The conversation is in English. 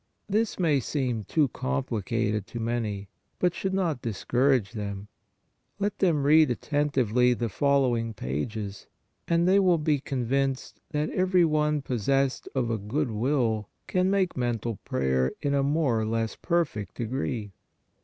This may seem too complicated to many, but should not discourage them; let them read attentively the fol lowing pages, and they will be convinced that every one possessed of a good will can make mental prayer in a more or less perfect degree.